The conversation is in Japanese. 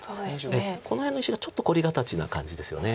この辺の石がちょっと凝り形な感じですよね。